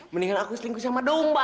mendingan aku selingkuh sama domba